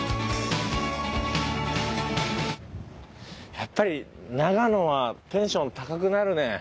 やっぱり長野はテンション高くなるね。